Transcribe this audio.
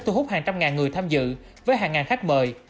thu hút hàng trăm ngàn người tham dự với hàng ngàn khách mời